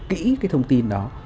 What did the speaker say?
kỹ cái thông tin đó